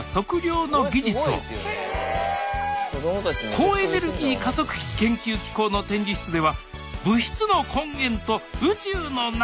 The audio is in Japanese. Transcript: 高エネルギー加速器研究機構の展示室では物質の根源と宇宙の謎！